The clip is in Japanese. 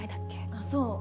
あっそう。